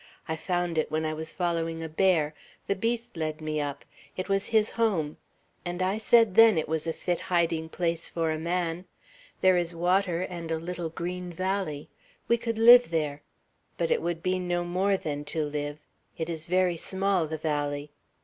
I found it when I was following a bear. The beast led me up. It was his home; and I said then, it was a fit hiding place for a man. There is water, and a little green valley. We could live there; but it would be no more than to live,, it is very small, the valley.